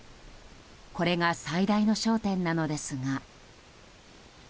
これが最大の焦点なのですが。